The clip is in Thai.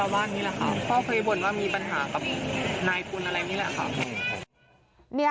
ไม่เคยกินรายออกไปเลย